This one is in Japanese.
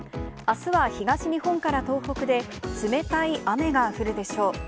あすは東日本から東北で冷たい雨が降るでしょう。